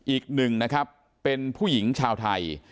อีกหนึ่งนะครับเป็นผู้หญิงชาวไทย